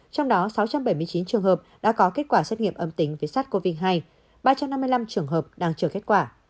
trong đó sáu trăm bảy mươi chín trường hợp đã có kết quả xét nghiệm âm tính với sars cov hai ba trăm năm mươi năm trường hợp đang chờ kết quả